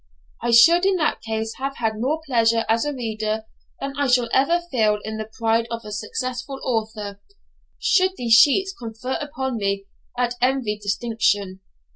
I should in that case have had more pleasure as a reader than I shall ever feel in the pride of a successful author, should these sheets confer upon me that envied distinction.